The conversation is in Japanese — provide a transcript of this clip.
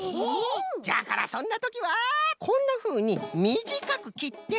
じゃからそんなときはこんなふうにみじかくきってはる。